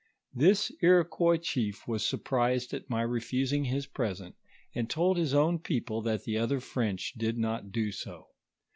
This Iroquois chief wos surprised at my refusing his present, and told his own people that tho other French did not do so.